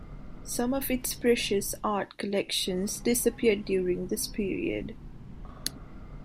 Some of its precious art collections disappeared during this period.